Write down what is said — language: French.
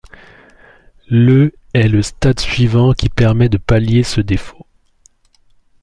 Le est le stade suivant qui permet de pallier ce défaut.